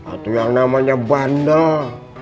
itu yang namanya bandel